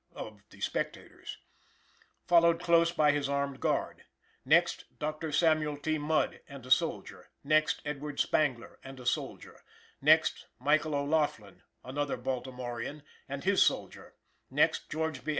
_, of the spectators), followed close by his armed guard; next, Dr. Samuel T. Mudd and a soldier; next, Edward Spangler and a soldier; next, Michael O'Laughlin, another Baltimorean, and his soldier; next, George B.